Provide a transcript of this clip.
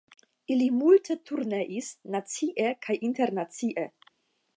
Ili multe turneis, nacie kaj internacie.